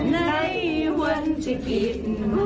ในวันที่ผิด